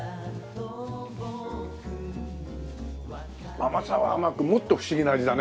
甘さは甘くもっと不思議な味だね。